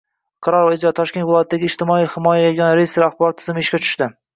Qaror va ijro:Toshkent viloyatida "Ijtimoiy himoya yagona reyestri" axborot tizimi ishga tushdi